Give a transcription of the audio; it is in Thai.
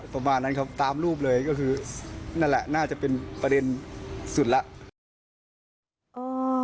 ประมาณนั้นครับตามรูปเลยก็คือนั่นแหละน่าจะเป็นประเด็นสุดแล้ว